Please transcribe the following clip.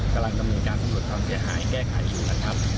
กำลังดำเนินการสำรวจความเสียหายแก้ไขอยู่นะครับ